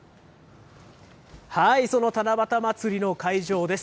その七夕まつりの会場です。